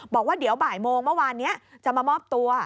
บอกว่าเดี๋ยวบ่ายโมงเมื่อวานนี้จะมามอบตัว